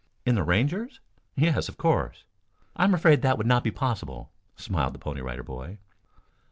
"In the Rangers?" "Yes, of course." "I am afraid that would not be possible," smiled the Pony Rider Boy.